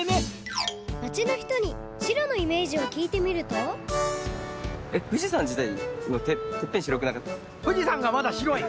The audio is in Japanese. まちのひとに白のイメージをきいてみると富士山がまだ白い。